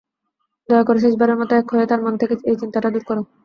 দয়া করে শেষবারের মতো এক হয়ে তার মন থেকে এই চিন্তাটা দূর কোরো।